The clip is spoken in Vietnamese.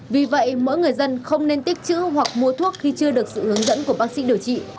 vì vậy mỗi người dân không nên tích chữ hoặc mua thuốc khi chưa được sự hướng dẫn của bác sĩ điều trị